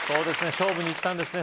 勝負にいったんですね